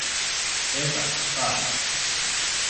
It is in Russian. Это — ад!